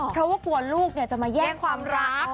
เพราะว่ากลัวลูกเนี่ยจะมาแยกความรัก